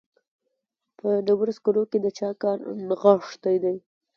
په ډبرو سکرو کې د چا کار نغښتی دی